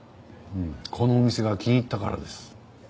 このお店が気に入ったからです。